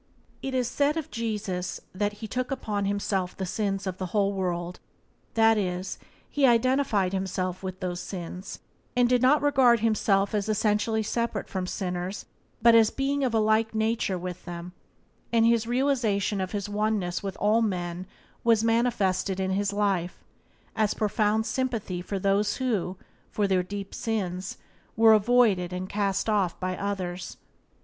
It is said of Jesus that He took upon Himself the sins of the whole world — that is, He identified Himself with those sins, and did not regard Himself as essentially separate from sinners but as being of a like nature with them — and his realization of His oneness with all men was manifested in His life as profound sympathy with those who, for their deep sins, were avoided and cast off by others.